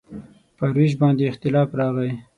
پر وېش باندې اختلاف راغی.